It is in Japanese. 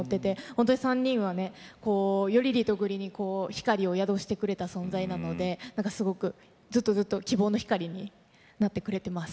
ほんとに３人はねよりリトグリに光を宿してくれた存在なのですごくずっとずっと希望の光になってくれてます。